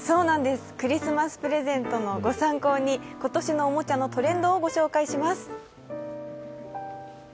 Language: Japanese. クリスマスプレゼントのご参考に今年のおもちゃのトレンドをご紹介します。